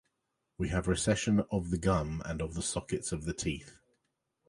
We have recession of the gum and of the sockets of the teeth.